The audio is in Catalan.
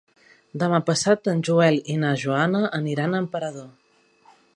Demà passat en Joel i na Joana aniran a Emperador.